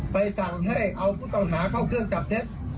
สั่งให้เอาผู้ต้องหาเข้าเครื่องจับเท็จ